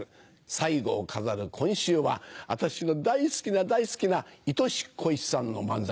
最後を飾る今週は私の大好きな大好きないとし・こいしさんの漫才。